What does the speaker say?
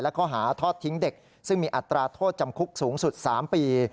ข้อหาทอดทิ้งเด็กซึ่งมีอัตราโทษจำคุกสูงสุด๓ปี